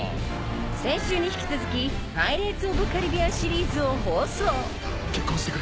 先週に引き続き『パイレーツ・オブ・カリビアン』シリーズを放送結婚してくれ。